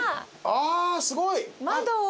ああすごい。